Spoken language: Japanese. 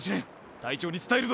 隊長に伝えるぞ。